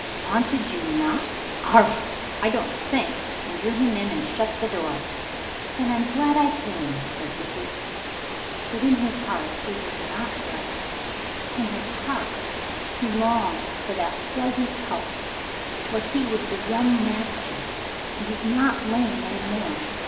"Wanted you? Not 'arf! I don't think," and drew him in and shut the door. "Then I'm glad I came," said Dickie. But in his heart he was not glad. In his heart he longed for that pleasant house where he was the young master, and was not lame any more.